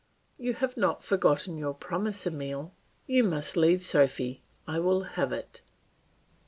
You have not forgotten your promise. Emile, you must leave Sophy; I will have it."